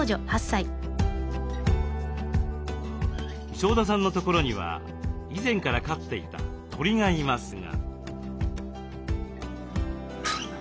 庄田さんのところには以前から飼っていた鳥がいますが。